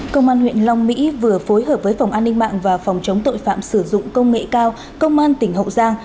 công an huyện long mỹ vừa phối hợp với phòng an ninh mạng và phòng chống tội phạm sử dụng công nghệ cao công an tỉnh hậu giang